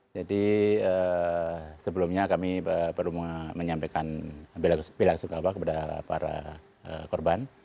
jadi sebelumnya kami perlu menyampaikan bila suka apa kepada para korban